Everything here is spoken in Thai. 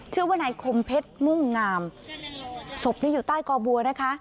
ชื่อว่านายคมเพชรมุ่งงามศพนี้อยู่ใต้กอบัวนะคะ